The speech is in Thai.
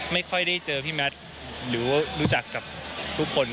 ไม่ค่อยได้เจอพี่แมทหรือว่ารู้จักกับทุกคน